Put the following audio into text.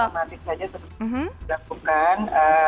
ya pengobatan sistematik saja sudah dilakukan